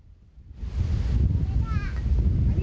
これだ。